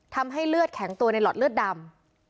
ทำให้เลือดแข็งตัวในหลอดเลือดดำ